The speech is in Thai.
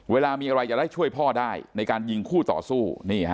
เวลามีอะไรจะได้ช่วยพ่อได้ในการยิงคู่ต่อสู้